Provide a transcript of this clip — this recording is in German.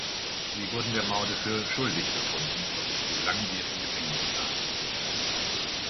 Sie wurden der Morde für schuldig befunden und zu langjährigen Gefängnisstrafen verurteilt.